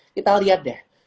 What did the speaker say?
kita lihat deh